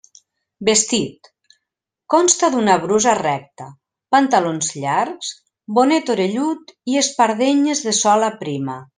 Vestit: consta d'una brusa recta, pantalons llargs, bonet orellut i espardenyes de sola prima.